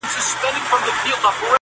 په بوتلونو شـــــراب ماڅښلي.